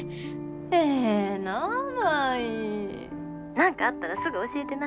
何かあったらすぐ教えてな。